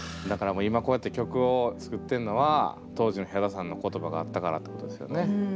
だからもう今こうやって曲を作ってるのは当時のヒャダさんの言葉があったからってことですよね。